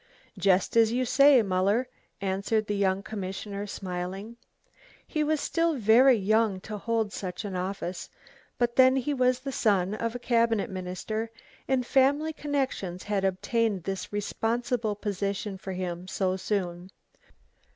"Just as you say, Muller," answered the young commissioner, smiling. He was still very young to hold such an office, but then he was the son of a Cabinet Minister, and family connections had obtained this responsible position for him so soon.